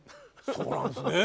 そうなんですね。